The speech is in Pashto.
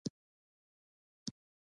ملګری د ژوند د رڼا څراغ دی